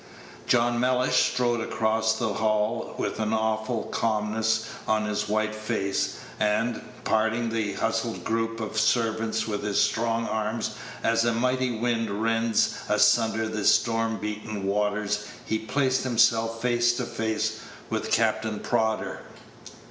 John Mellish strode across the hall with an awful calmness on his white face, and, parting the hustled group of servants with his strong Page 124 arms as a mighty wind rends asunder the storm beaten waters, he placed himself face to face with Captain Prodder.